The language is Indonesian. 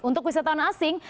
untuk wisatawan asing